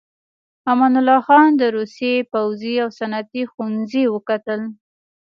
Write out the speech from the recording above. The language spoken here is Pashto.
امان الله خان د روسيې پوځي او صنعتي ښوونځي وکتل.